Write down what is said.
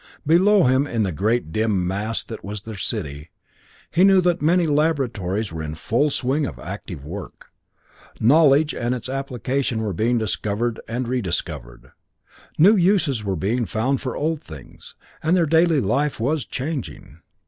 Below him, in the great dim mass that was their city, he knew that many laboratories were in the full swing of active work. Knowledge and its application were being discovered and rediscovered. New uses were being found for old things, and their daily life was changing.